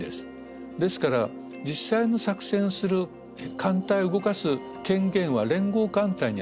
ですから実際の作戦する艦隊を動かす権限は連合艦隊にある。